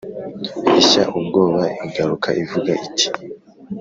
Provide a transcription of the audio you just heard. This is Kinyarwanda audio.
ishya ubwoba, igaruka ivuga iti